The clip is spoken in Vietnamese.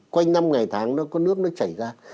quanh năm ngày tháng nó có nước nó chảy ra